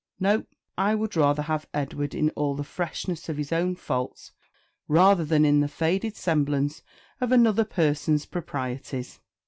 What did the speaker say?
No! I would rather have Edward in all the freshness of his own faults rather than in the faded semblance of another persons's proprieties."